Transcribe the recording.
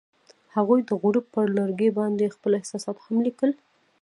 هغوی د غروب پر لرګي باندې خپل احساسات هم لیکل.